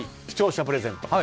視聴者プレゼント。